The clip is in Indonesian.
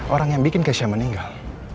orang yang bikin keisha meninggal